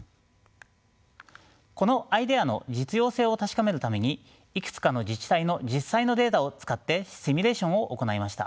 このアイデアの実用性を確かめるためにいくつかの自治体の実際のデータを使ってシミュレーションを行いました。